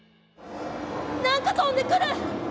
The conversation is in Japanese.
何か飛んでくる。